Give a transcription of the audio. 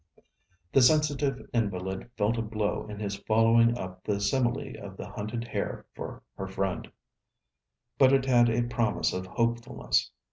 The sensitive invalid felt a blow in his following up the simile of the hunted hare for her friend, but it had a promise of hopefulness.